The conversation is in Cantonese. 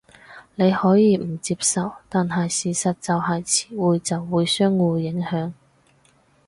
你可以唔接受，但係事實就係詞彙就會相互影響